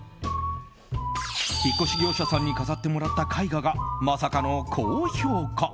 引っ越し業者さんに飾ってもらった絵画がまさかの高評価。